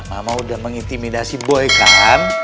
mama udah mengintimidasi boy kan